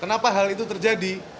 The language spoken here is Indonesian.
kenapa hal itu terjadi